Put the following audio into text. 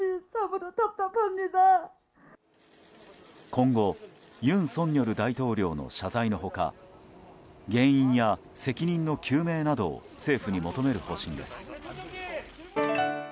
今後、尹錫悦大統領の謝罪の他原因や責任の究明などを政府に求める方針です。